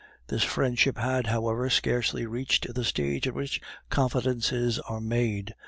This friendship had, however, scarcely reached the stage at which confidences are made.